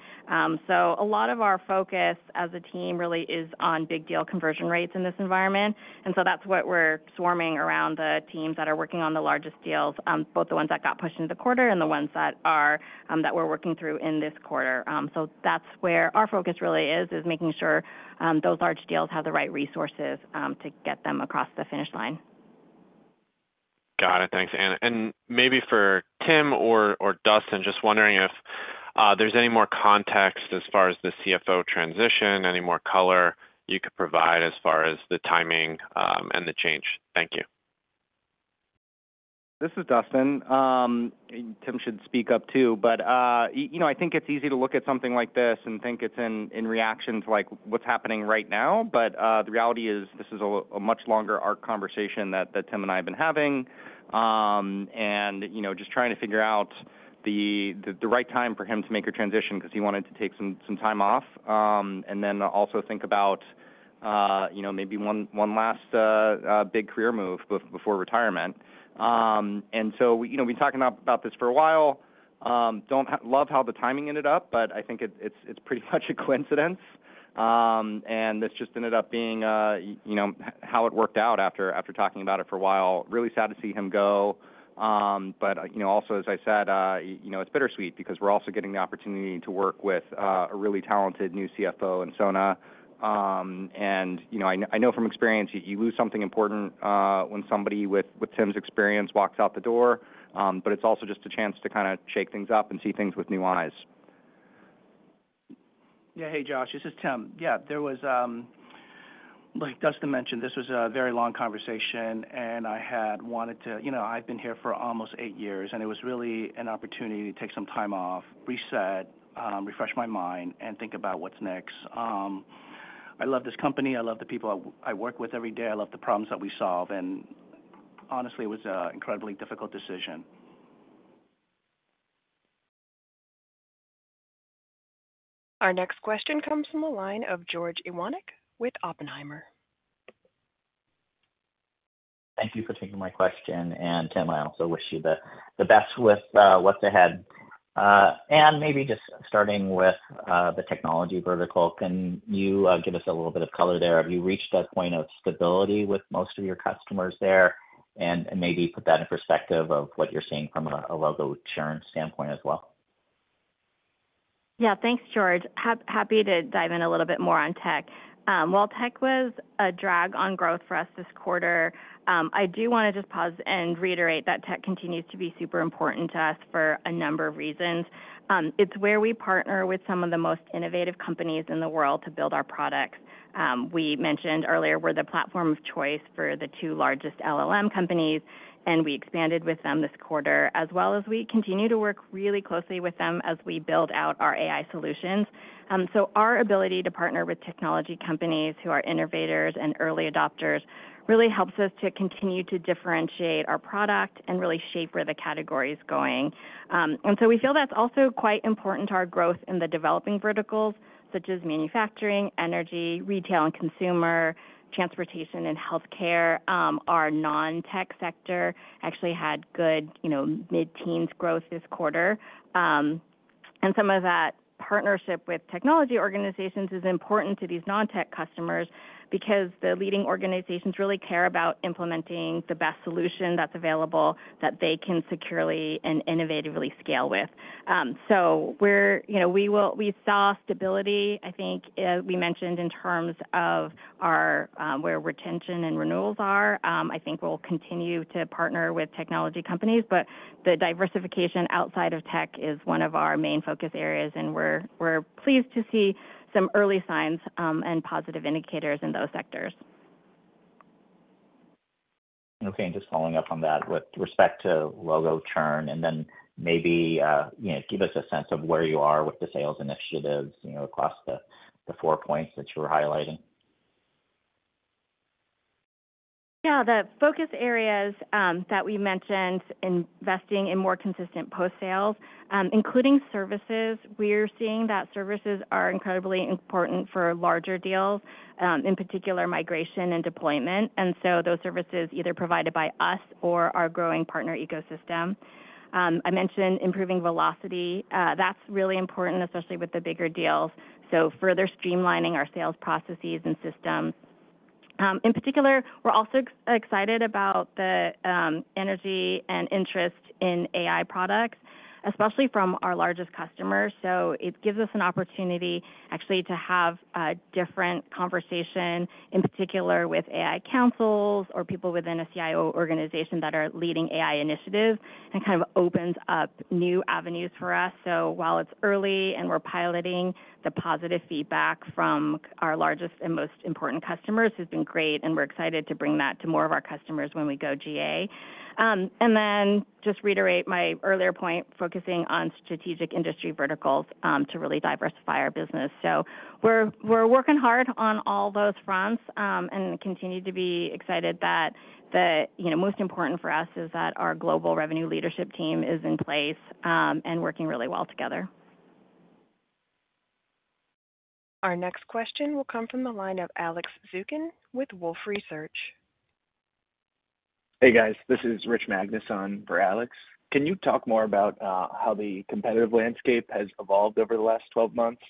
So a lot of our focus as a team really is on big deal conversion rates in this environment, and so that's what we're swarming around the teams that are working on the largest deals, both the ones that got pushed into the quarter and the ones that are, that we're working through in this quarter. So that's where our focus really is, making sure those large deals have the right resources to get them across the finish line. Got it. Thanks, Anne. And maybe for Tim or Dustin, just wondering if there's any more context as far as the CFO transition, any more color you could provide as far as the timing, and the change? Thank you. This is Dustin. And Tim should speak up, too. But you know, I think it's easy to look at something like this and think it's in reaction to, like, what's happening right now. But the reality is, this is a much longer arc conversation that Tim and I have been having. And you know, just trying to figure out the right time for him to make a transition because he wanted to take some time off. And then also, you know, maybe one last big career move before retirement. And so you know, we've been talking about this for a while. Don't love how the timing ended up, but I think it's pretty much a coincidence. And this just ended up being, you know, how it worked out after talking about it for a while. Really sad to see him go. But, you know, also, as I said, you know, it's bittersweet because we're also getting the opportunity to work with a really talented new CFO in Sonali. And, you know, I know from experience, you lose something important when somebody with Tim's experience walks out the door. But it's also just a chance to kind of shake things up and see things with new eyes. Yeah, hey, Josh, this is Tim. Yeah, there was... Like Dustin mentioned, this was a very long conversation, and I had wanted to. You know, I've been here for almost eight years, and it was really an opportunity to take some time off, reset, refresh my mind, and think about what's next. I love this company. I love the people I work with every day. I love the problems that we solve, and honestly, it was an incredibly difficult decision. Our next question comes from the line of George Iwanyc with Oppenheimer. Thank you for taking my question, and Tim, I also wish you the best with what's ahead. And maybe just starting with the technology vertical, can you give us a little bit of color there? Have you reached a point of stability with most of your customers there? And maybe put that in perspective of what you're seeing from a logo churn standpoint as well. Yeah. Thanks, George. Happy to dive in a little bit more on tech. While tech was a drag on growth for us this quarter, I do wanna just pause and reiterate that tech continues to be super important to us for a number of reasons. It's where we partner with some of the most innovative companies in the world to build our products. We mentioned earlier, we're the platform of choice for the two largest LLM companies, and we expanded with them this quarter, as well as we continue to work really closely with them as we build out our AI solutions. So our ability to partner with technology companies, who are innovators and early adopters, really helps us to continue to differentiate our product and really shape where the category is going. And so we feel that's also quite important to our growth in the developing verticals, such as manufacturing, energy, retail and consumer, transportation, and healthcare. Our non-tech sector actually had good, you know, mid-teens growth this quarter. And some of that partnership with technology organizations is important to these non-tech customers because the leading organizations really care about implementing the best solution that's available, that they can securely and innovatively scale with. So, you know, we saw stability, I think, we mentioned in terms of where retention and renewals are. I think we'll continue to partner with technology companies, but the diversification outside of tech is one of our main focus areas, and we're, we're pleased to see some early signs, and positive indicators in those sectors. Okay, and just following up on that, with respect to logo churn, and then maybe, you know, give us a sense of where you are with the sales initiatives, you know, across the four points that you were highlighting. Yeah. The focus areas that we mentioned, investing in more consistent post-sales, including services. We're seeing that services are incredibly important for larger deals, in particular, migration and deployment, and so those services either provided by us or our growing partner ecosystem. I mentioned improving velocity. That's really important, especially with the bigger deals, so further streamlining our sales processes and systems. In particular, we're also excited about the energy and interest in AI products, especially from our largest customers. So it gives us an opportunity, actually, to have a different conversation, in particular with AI councils or people within a CIO organization that are leading AI initiatives, and kind of opens up new avenues for us. So while it's early and we're piloting, the positive feedback from our largest and most important customers has been great, and we're excited to bring that to more of our customers when we go GA, and then just reiterate my earlier point, focusing on strategic industry verticals, to really diversify our business. So we're working hard on all those fronts, and continue to be excited that. You know, most important for us is that our global revenue leadership team is in place, and working really well together. Our next question will come from the line of Alex Zukin with Wolfe Research. Hey, guys, this is Rich Magnus on for Alex. Can you talk more about how the competitive landscape has evolved over the last twelve months?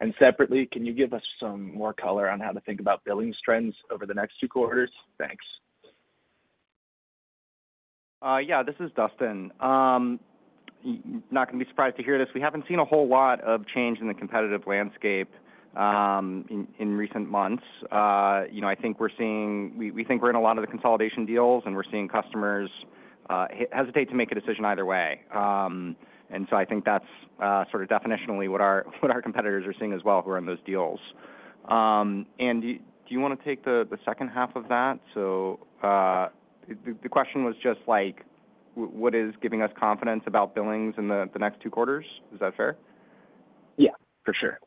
And separately, can you give us some more color on how to think about billings trends over the next two quarters? Thanks. Yeah, this is Dustin. Not gonna be surprised to hear this. We haven't seen a whole lot of change in the competitive landscape in recent months. You know, I think we're seeing. We think we're in a lot of the consolidation deals, and we're seeing customers hesitate to make a decision either way. And so I think that's sort of definitionally what our competitors are seeing as well, who are in those deals. Anne, do you wanna take the second half of that? The question was just, like, what is giving us confidence about billings in the next two quarters? Is that fair? Yeah, for sure. ...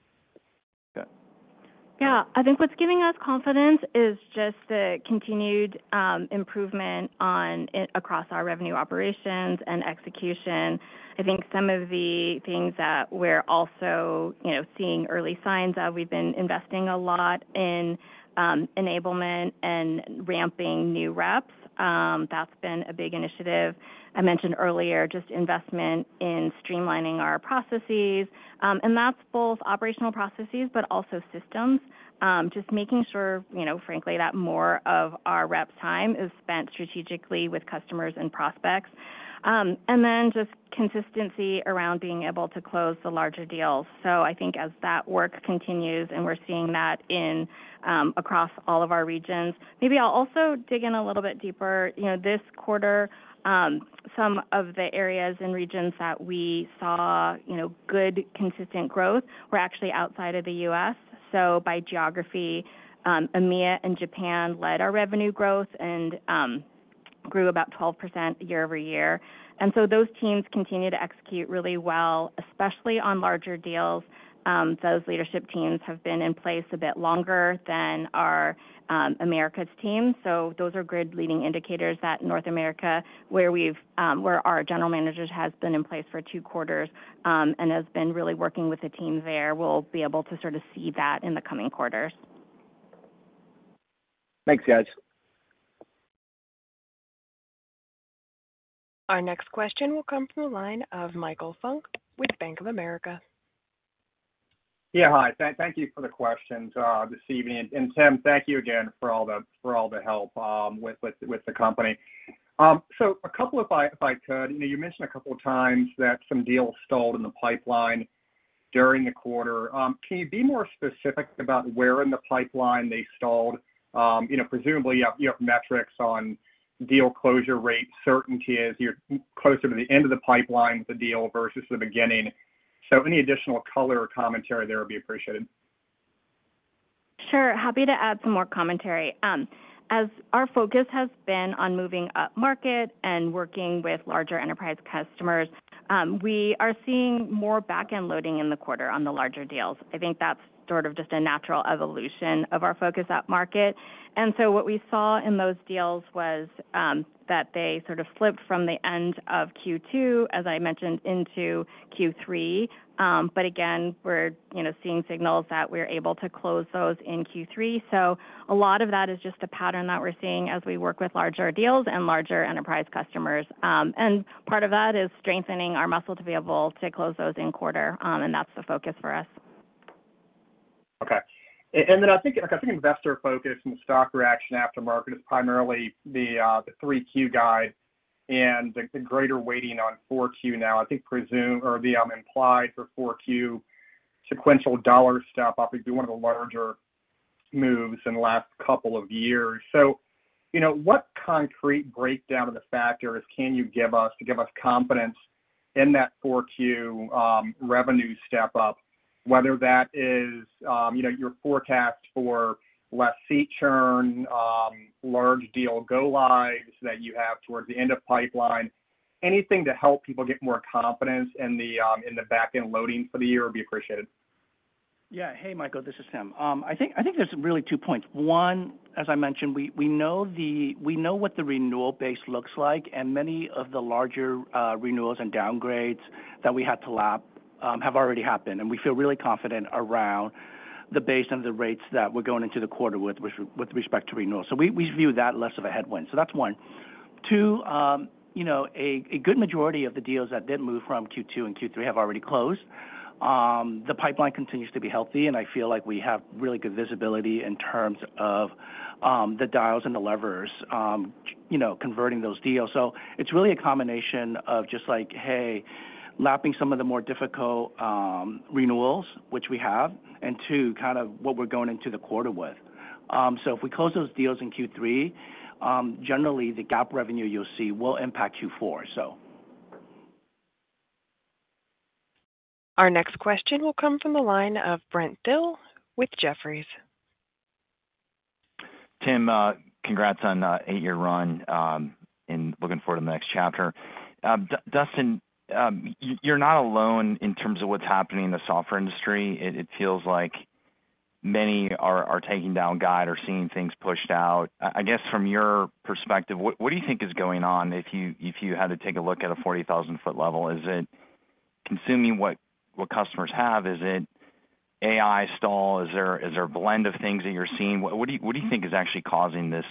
Yeah, I think what's giving us confidence is just the continued improvement across our revenue operations and execution. I think some of the things that we're also, you know, seeing early signs of, we've been investing a lot in enablement and ramping new reps. That's been a big initiative. I mentioned earlier, just investment in streamlining our processes. And that's both operational processes, but also systems. Just making sure, you know, frankly, that more of our reps' time is spent strategically with customers and prospects. And then just consistency around being able to close the larger deals. So I think as that work continues, and we're seeing that in across all of our regions. Maybe I'll also dig in a little bit deeper. You know, this quarter, some of the areas and regions that we saw, you know, good, consistent growth were actually outside of the U.S. So by geography, EMEA and Japan led our revenue growth and grew about 12% year over year. And so those teams continue to execute really well, especially on larger deals. Those leadership teams have been in place a bit longer than our Americas team. So those are good leading indicators that North America, where our general manager has been in place for two quarters and has been really working with the team there, we'll be able to sort of see that in the coming quarters. Thanks, guys. Our next question will come from the line of Michael Funk with Bank of America. Yeah, hi. Thank you for the questions this evening. And Tim, thank you again for all the help with the company. So a couple, if I could, you know, you mentioned a couple of times that some deals stalled in the pipeline during the quarter. You know, presumably, you have metrics on deal closure rate certainty as you're closer to the end of the pipeline of the deal versus the beginning. So any additional color or commentary there would be appreciated. Sure. Happy to add some more commentary. As our focus has been on moving upmarket and working with larger enterprise customers, we are seeing more back-end loading in the quarter on the larger deals. I think that's sort of just a natural evolution of our focus upmarket, and so what we saw in those deals was that they sort of flipped from the end of Q2, as I mentioned, into Q3, but again, we're, you know, seeing signals that we're able to close those in Q3, so a lot of that is just a pattern that we're seeing as we work with larger deals and larger enterprise customers, and part of that is strengthening our muscle to be able to close those in quarter, and that's the focus for us. Okay. And then I think, I think investor focus and the stock reaction after market is primarily the 3Q guide and the greater weighting on 4Q now. I think presumably the implied for 4Q sequential dollar step up would be one of the larger moves in the last couple of years. So, you know, what concrete breakdown of the factors can you give us to give us confidence in that 4Q revenue step up, whether that is, you know, your forecast for less seat churn, large deal go-lives that you have towards the end of pipeline? Anything to help people get more confidence in the back-end loading for the year would be appreciated. Yeah. Hey, Michael, this is Tim. I think there's really two points. One, as I mentioned, we know what the renewal base looks like, and many of the larger renewals and downgrades that we had to lap have already happened, and we feel really confident around the base and the rates that we're going into the quarter with respect to renewals. So we view that less of a headwind. So that's one. Two, you know, a good majority of the deals that did move from Q2 and Q3 have already closed. The pipeline continues to be healthy, and I feel like we have really good visibility in terms of the dials and the levers, you know, converting those deals. So it's really a combination of just like, hey, lapping some of the more difficult renewals, which we have, and two, kind of what we're going into the quarter with. So if we close those deals in Q3, generally, the GAAP revenue you'll see will impact Q4, so. Our next question will come from the line of Brent Thill with Jefferies. Tim, congrats on eight-year run, and looking forward to the next chapter. Dustin, you're not alone in terms of what's happening in the software industry. It feels like many are taking down guide or seeing things pushed out. I guess, from your perspective, what do you think is going on if you had to take a look at a forty thousand foot level? Is it consuming what customers have? Is it AI stall? Is there a blend of things that you're seeing? What do you think is actually causing this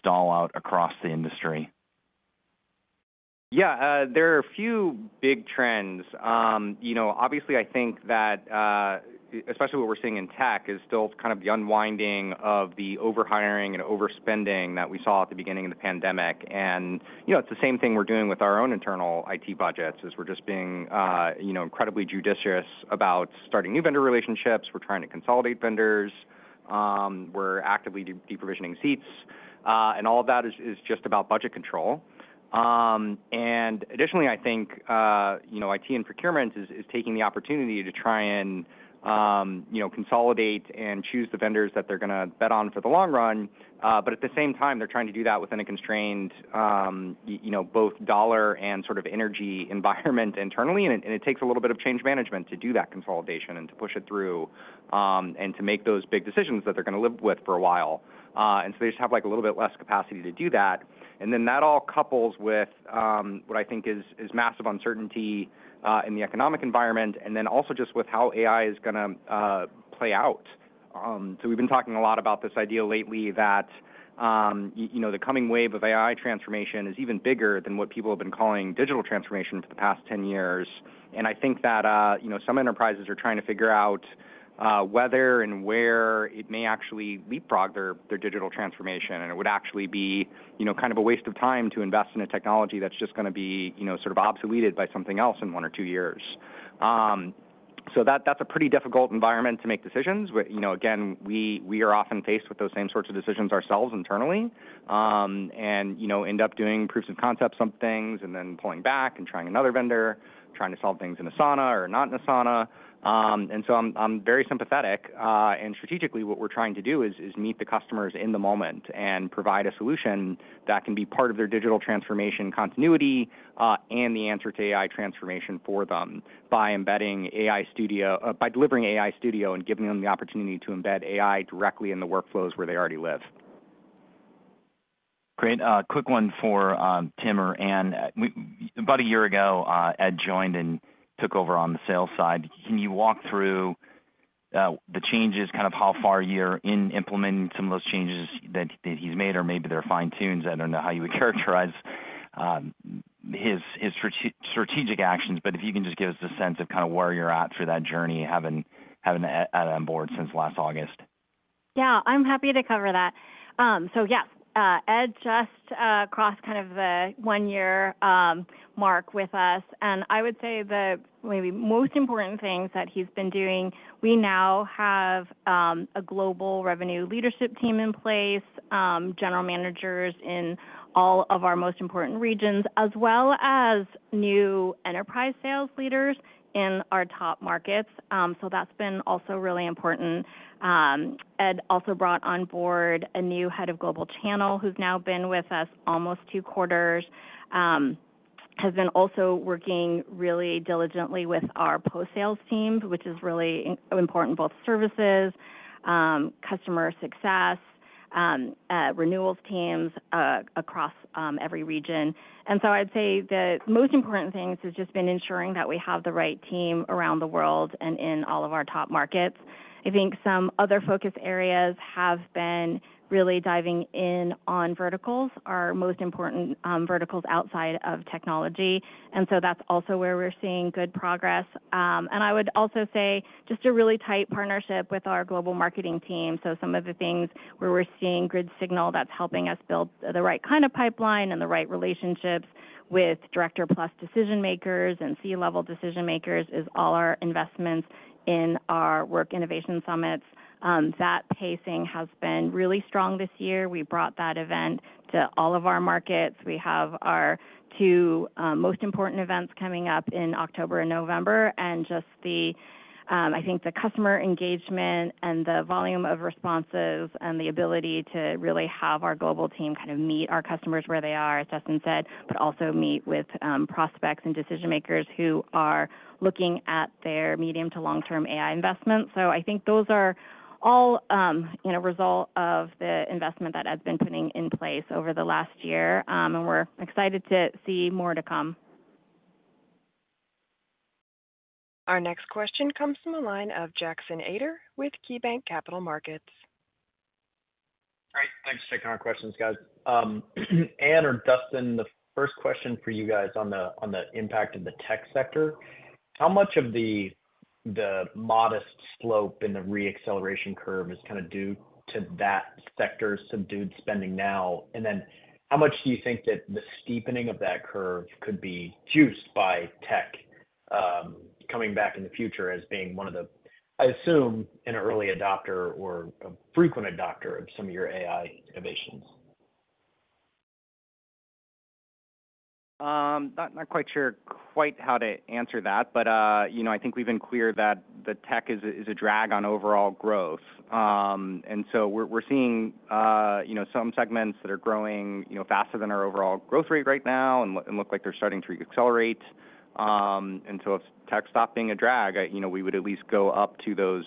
stall out across the industry? Yeah, there are a few big trends. You know, obviously, I think that, especially what we're seeing in tech, is still kind of the unwinding of the overhiring and overspending that we saw at the beginning of the pandemic, and you know, it's the same thing we're doing with our own internal IT budgets, is we're just being, you know, incredibly judicious about starting new vendor relationships. We're trying to consolidate vendors. We're actively deprovisioning seats, and all of that is just about budget control. Additionally, I think, you know, IT and procurement is taking the opportunity to try and, you know, consolidate and choose the vendors that they're gonna bet on for the long run. But at the same time, they're trying to do that within a constrained, you know, both dollar and sort of energy environment internally. And it takes a little bit of change management to do that consolidation and to push it through, and to make those big decisions that they're gonna live with for a while. And so they just have, like, a little bit less capacity to do that. And then that all couples with what I think is massive uncertainty in the economic environment, and then also just with how AI is gonna play out. So we've been talking a lot about this idea lately that, you know, the coming wave of AI transformation is even bigger than what people have been calling digital transformation for the past 10 years. I think that, you know, some enterprises are trying to figure out whether and where it may actually leapfrog their digital transformation. It would actually be, you know, kind of a waste of time to invest in a technology that's just gonna be, you know, sort of obsoleted by something else in one or two years. That's a pretty difficult environment to make decisions. You know, again, we are often faced with those same sorts of decisions ourselves internally, and you know, end up doing proofs of concept some things, and then pulling back and trying another vendor, trying to solve things in Asana or not in Asana. And so I'm very sympathetic, and strategically what we're trying to do is meet the customers in the moment and provide a solution that can be part of their digital transformation continuity, and the answer to AI transformation for them by delivering AI Studio and giving them the opportunity to embed AI directly in the workflows where they already live. Great. Quick one for Tim or Anne. About a year ago, Ed joined and took over on the sales side. Can you walk through the changes, kind of how far you're in implementing some of those changes that he's made, or maybe they're fine-tuned? I don't know how you would characterize his strategic actions, but if you can just give us a sense of kind of where you're at for that journey, having Ed on board since last August. Yeah, I'm happy to cover that. So yeah, Ed just crossed kind of the one year mark with us, and I would say the maybe most important things that he's been doing, we now have a global revenue leadership team in place, general managers in all of our most important regions, as well as new enterprise sales leaders in our top markets. So that's been also really important. Ed also brought on board a new head of global channel, who's now been with us almost two quarters. Has been also working really diligently with our post-sales teams, which is really important, both services, customer success, renewals teams, across every region. And so I'd say the most important thing is just been ensuring that we have the right team around the world and in all of our top markets. I think some other focus areas have been really diving in on verticals, our most important verticals outside of technology, and so that's also where we're seeing good progress. And I would also say, just a really tight partnership with our global marketing team. So some of the things where we're seeing good signal that's helping us build the right kind of pipeline and the right relationships with director plus decision makers and C-level decision makers is all our investments in our Work Innovation Summits. That pacing has been really strong this year. We brought that event to all of our markets. We have our two most important events coming up in October and November. I think the customer engagement and the volume of responses, and the ability to really have our global team kind of meet our customers where they are, as Dustin said, but also meet with prospects and decision makers who are looking at their medium to long-term AI investments. I think those are all, you know, result of the investment that has been putting in place over the last year, and we're excited to see more to come. Our next question comes from the line of Jackson Ader with KeyBanc Capital Markets. Great. Thanks for taking our questions, guys. Anne or Dustin, the first question for you guys on the, on the impact of the tech sector: How much of the, the modest slope in the reacceleration curve is kind of due to that sector's subdued spending now? And then how much do you think that the steepening of that curve could be juiced by tech, coming back in the future as being one of the, I assume, an early adopter or a frequent adopter of some of your AI innovations? Not quite sure how to answer that, but, you know, I think we've been clear that the tech is a drag on overall growth. And so we're seeing, you know, some segments that are growing, you know, faster than our overall growth rate right now, and look like they're starting to reaccelerate. And so if tech stopped being a drag, you know, we would at least go up to those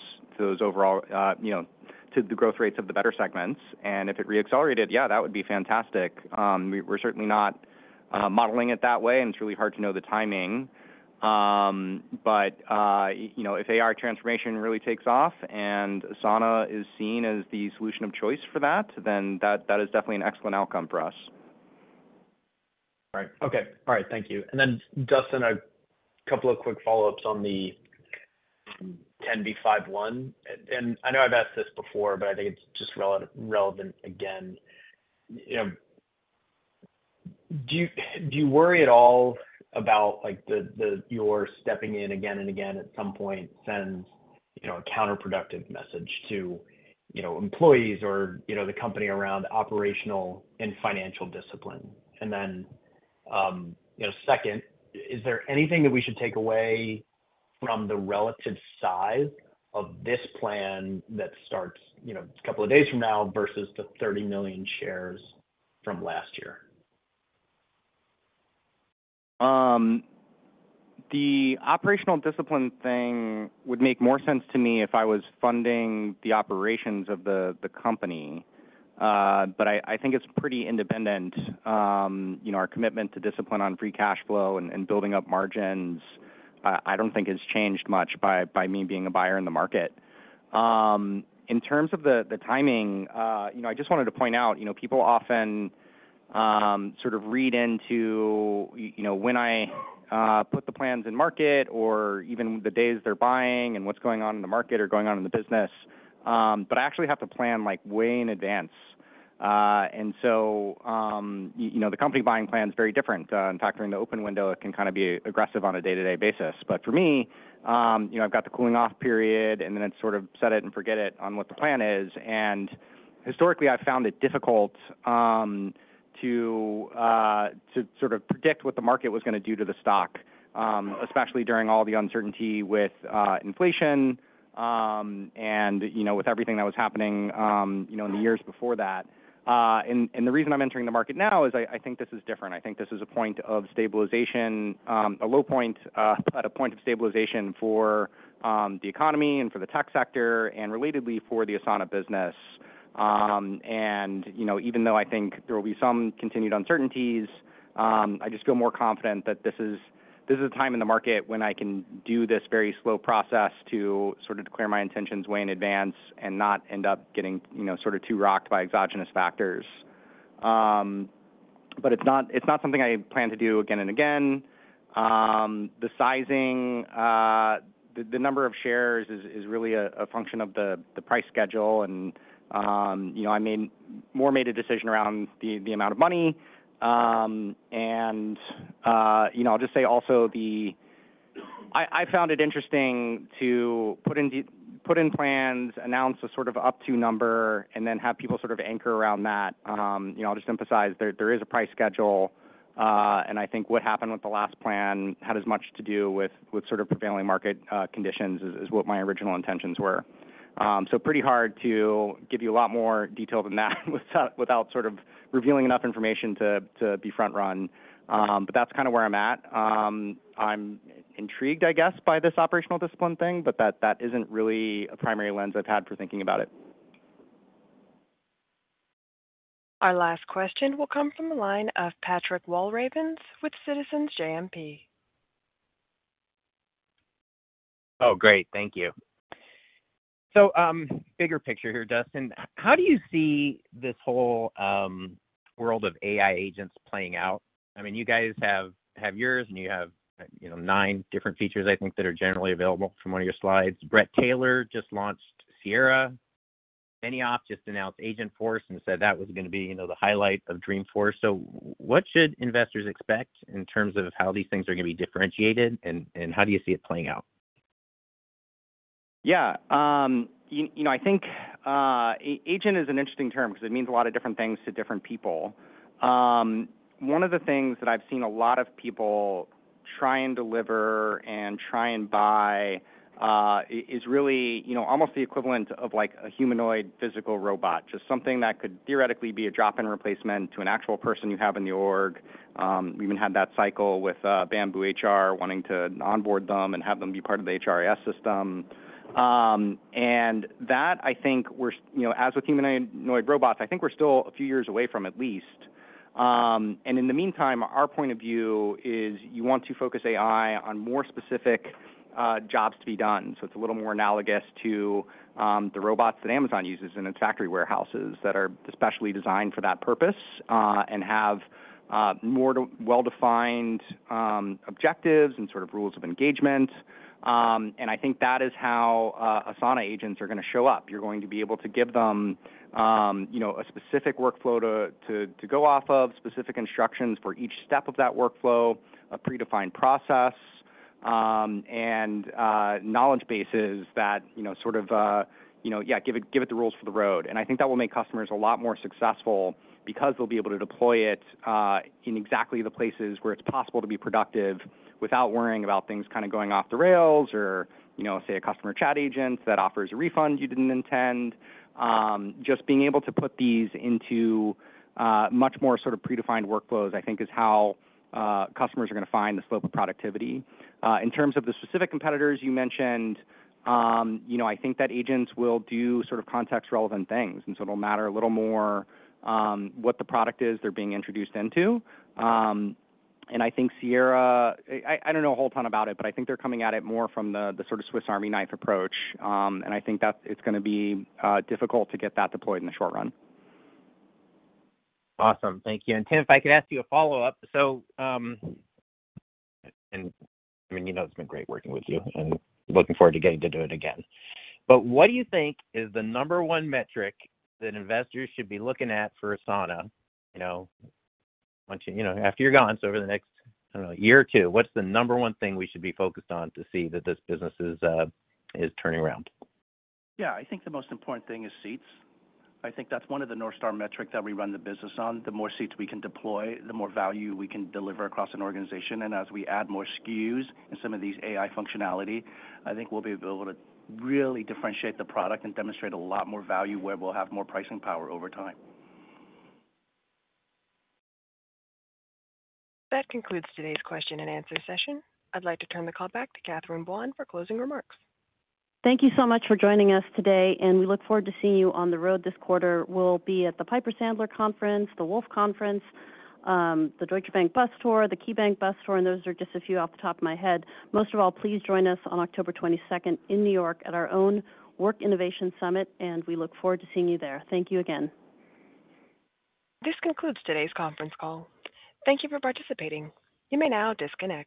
overall, you know, to the growth rates of the better segments. And if it reaccelerated, yeah, that would be fantastic. We're certainly not modeling it that way, and it's really hard to know the timing. But you know, if AI transformation really takes off and Asana is seen as the solution of choice for that, then that is definitely an excellent outcome for us. All right. Okay. All right, thank you. And then Dustin, a couple of quick follow-ups on the 10b5-1. And I know I've asked this before, but I think it's just relevant again. You know. Do you worry at all about, like, your stepping in again and again, at some point, sends, you know, a counterproductive message to, you know, employees or, you know, the company around operational and financial discipline? And then, you know, second, is there anything that we should take away from the relative size of this plan that starts, you know, a couple of days from now versus the 30 million shares from last year? The operational discipline thing would make more sense to me if I was funding the operations of the company, but I think it's pretty independent. You know, our commitment to discipline on free cash flow and building up margins, I don't think has changed much by me being a buyer in the market. In terms of the timing, you know, I just wanted to point out, you know, people often sort of read into, you know, when I put the plans in market or even the days they're buying and what's going on in the market or going on in the business, but I actually have to plan, like, way in advance, and so, you know, the company buying plan is very different. In fact, during the open window, it can kind of be aggressive on a day-to-day basis, but for me, you know, I've got the cooling-off period, and then it's sort of set it and forget it on what the plan is, and historically, I've found it difficult to sort of predict what the market was gonna do to the stock, especially during all the uncertainty with inflation, and, you know, with everything that was happening, you know, in the years before that, and the reason I'm entering the market now is I think this is different. I think this is a point of stabilization, a low point, at a point of stabilization for the economy and for the tech sector and relatedly, for the Asana business. You know, even though I think there will be some continued uncertainties, I just feel more confident that this is a time in the market when I can do this very slow process to sort of declare my intentions way in advance and not end up getting, you know, sort of too rocked by exogenous factors. But it's not something I plan to do again and again. The sizing, the number of shares is really a function of the price schedule. You know, I mean, I made a decision around the amount of money. You know, I'll just say also that I found it interesting to put in plans, announce a sort of up to number, and then have people sort of anchor around that. You know, I'll just emphasize, there is a price schedule, and I think what happened with the last plan had as much to do with sort of prevailing market conditions as what my original intentions were. So pretty hard to give you a lot more detail than that without sort of revealing enough information to be front-run. But that's kind of where I'm at. I'm intrigued, I guess, by this operational discipline thing, but that isn't really a primary lens I've had for thinking about it. Our last question will come from the line of Patrick Walravens with Citizens JMP. Oh, great. Thank you. So, bigger picture here, Dustin. How do you see this whole world of AI agents playing out? I mean, you guys have yours, and you have, you know, nine different features, I think, that are generally available from one of your slides. Bret Taylor just launched Sierra. Benioff just announced Agentforce and said that was gonna be, you know, the highlight of Dreamforce. So what should investors expect in terms of how these things are gonna be differentiated, and how do you see it playing out? Yeah, you know, I think agent is an interesting term because it means a lot of different things to different people. One of the things that I've seen a lot of people try and deliver and try and buy is really, you know, almost the equivalent of, like, a humanoid physical robot. Just something that could theoretically be a drop-in replacement to an actual person you have in the org. We even had that cycle with BambooHR wanting to onboard them and have them be part of the HR system, and that, I think we're, you know, as with humanoid robots, I think we're still a few years away from at least, and in the meantime, our point of view is you want to focus AI on more specific jobs to be done. So it's a little more analogous to the robots that Amazon uses in its factory warehouses that are specially designed for that purpose, and have more well-defined objectives and sort of rules of engagement. And I think that is how Asana agents are gonna show up. You're going to be able to give them you know a specific workflow to go off of, specific instructions for each step of that workflow, a predefined process, and knowledge bases that you know sort of you know yeah give it the rules for the road. I think that will make customers a lot more successful because they'll be able to deploy it in exactly the places where it's possible to be productive without worrying about things kind of going off the rails or, you know, say, a customer chat agent that offers a refund you didn't intend. Just being able to put these into much more sort of predefined workflows, I think, is how customers are gonna find the slope of productivity. In terms of the specific competitors you mentioned, you know, I think that agents will do sort of context-relevant things, and so it'll matter a little more what the product is they're being introduced into. And I think Sierra, I don't know a whole ton about it, but I think they're coming at it more from the sort of Swiss Army knife approach. And I think it's gonna be difficult to get that deployed in the short run. Awesome. Thank you. And Tim, if I could ask you a follow-up: So, I mean, you know, it's been great working with you and looking forward to getting to do it again. But what do you think is the number one metric that investors should be looking at for Asana? You know, once, you know, after you're gone, so over the next, I don't know, year or two, what's the number one thing we should be focused on to see that this business is turning around? Yeah, I think the most important thing is seats. I think that's one of the North Star metrics that we run the business on. The more seats we can deploy, the more value we can deliver across an organization, and as we add more SKUs in some of these AI functionality, I think we'll be able to really differentiate the product and demonstrate a lot more value, where we'll have more pricing power over time. That concludes today's question-and-answer session. I'd like to turn the call back to Catherine Buan for closing remarks. Thank you so much for joining us today, and we look forward to seeing you on the road this quarter. We'll be at the Piper Sandler conference, the Wolfe conference, the Deutsche Bank Bus Tour, the KeyBanc Bus Tour, and those are just a few off the top of my head. Most of all, please join us on October twenty-second in New York at our own Work Innovation Summit, and we look forward to seeing you there. Thank you again. This concludes today's conference call. Thank you for participating. You may now disconnect.